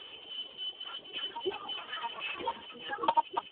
কথার পর কথা বলতেই আছে।